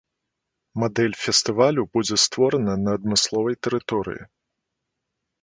Мадэль фестывалю будзе створана на адмысловай тэрыторыі.